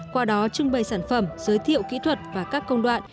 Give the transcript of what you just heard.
qua đó trưng bày sản phẩm giới thiệu kỹ thuật và các công đoạn